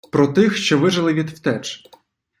Про тих, що вижили від втеч